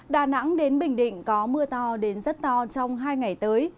đà nẵng đến bình định có mưa to đến rất to trong hai ngày tới